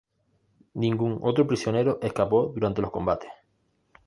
Ningún otro prisionero escapó durante los combates.